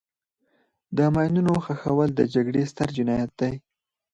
د ماینونو ښخول د جګړې ستر جنایت دی.